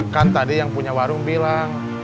kan tadi yang punya warung bilang